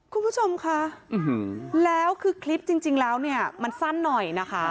คุณผู้ชมคะแล้วคือคลิปจริงแล้วเนี่ยมันสั้นหน่อยนะคะ